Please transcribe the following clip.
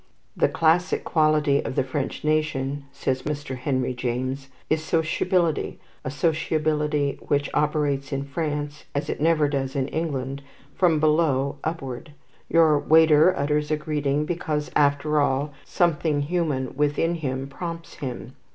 "The classic quality of the French nation," says Mr. Henry James, "is sociability; a sociability which operates in France, as it never does in England, from below upward. Your waiter utters a greeting because, after all, something human within him prompts him.